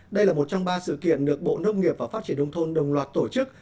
đây là một trong ba sự kiện được bộ nông nghiệp và phát triển đông thôn đồng loạt tổ chức